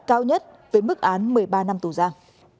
cao nhất với mức án một mươi ba năm tù giam